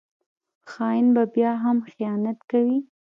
خاین به بیا هم خیانت کوي